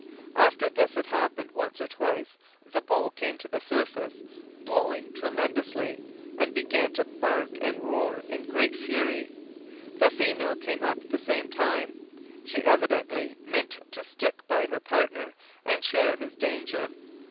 After this had happened once or twice the bull came to the surface, blowing tremendously, and began to bark and roar in great fury. The female came up at the same time. She evidently meant to stick by her partner and share his danger.